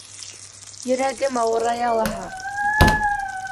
Йөрәгем ауырая лаһа!